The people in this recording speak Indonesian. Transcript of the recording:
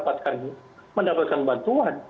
kita harus mendapatkan bantuan